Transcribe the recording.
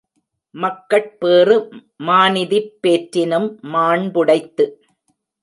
மக்கட்பேறு மாநிதிப் பேற்றினும் மாண் புடைத்து!